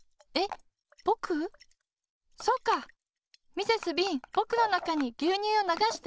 ミセス・ビンぼくのなかにぎゅうにゅうをながして。